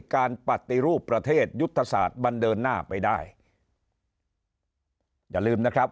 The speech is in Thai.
การปฏิรูปประเทศยุทธศาสตร์มันเดินหน้าไปได้อย่าลืมนะครับ